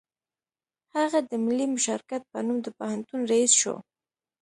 هغه د ملي مشارکت په نوم د پوهنتون رییس شو